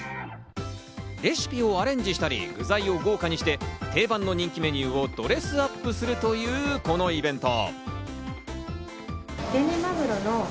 レシピをアレンジしたり、具材を豪華にして、定番の人気メニューをドレスアップするというこのイベント。